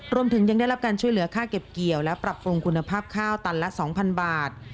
รวมถึงยังได้รับการช่วยเหลือค่าเก็บเกี่ยวและปรับปรุงคุณภาพข้าวตันละ๒๐๐บาท